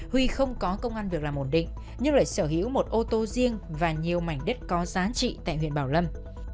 huy không có công an việc làm ổn định nhưng lại sở hữu một ô tô riêng và nhiều mảnh đất có giá trị tại huyện bảo lâm